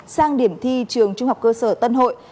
sang điểm thi trường trung học cơ sở tân hội